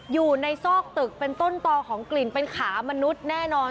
อยู่ในซอกตึกเป็นต้นต่อของกลิ่นเป็นขามนุษย์แน่นอน